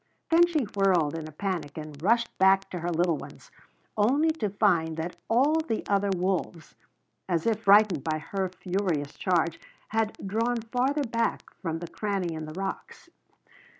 Then she whirled in a panic and rushed back to her little ones, only to find that all the other wolves, as if frightened by her furious charge, had drawn farther back from the cranny in the rocks.